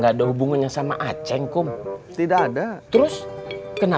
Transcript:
alasan kalau dicari cari ada